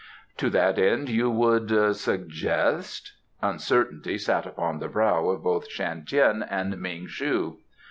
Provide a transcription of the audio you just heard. "To that end you would suggest ?" Uncertainty sat upon the brow of both Shan Tien and Ming shu.